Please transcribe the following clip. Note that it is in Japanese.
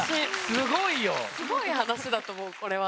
すごいいい話だと思うこれは。